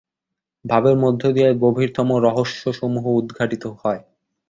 ভাবের মধ্য দিয়াই গভীরতম রহস্যসমূহ উদ্ঘাটিত হয়।